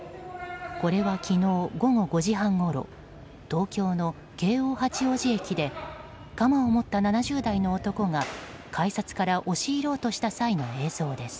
これは昨日、午後５時半ごろ東京の京王八王子駅で鎌を持った７０代の男が改札から押し入ろうとした際の映像です。